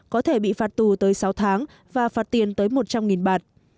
có thể bị phạt tù tới sáu tháng và phạt tiền tới một trăm linh bạt